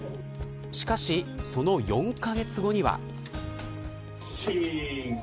しかし、その４カ月後には。